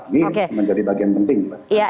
ini menjadi bagian penting